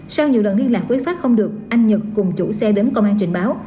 sau nhiều lần liên lạc với phát không được anh nhật cùng chủ xe đến công an trình báo